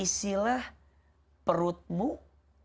isilah perutmu atau tubuhmu yang baiknya